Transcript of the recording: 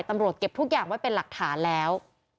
ตำรวจเก็บทุกอย่างไว้เป็นหลักฐานแล้ว